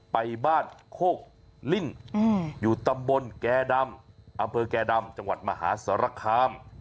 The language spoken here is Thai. ไปบ้านโคกลิ้นอยู่ตำบลแก่ดำอำเภอแก่ดำจังหวัดมหาสารคาม